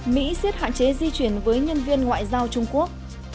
mỹ siết hạn chế di chuyển với nhân viên ngoại giao trung quốc